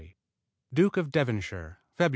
Duke of Devonshire Feb.